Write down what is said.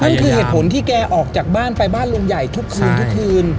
นั่นคือเหตุผลที่แกออกจากบ้านไปบ้านลุงใหญ่ทุกคืนทุกคืน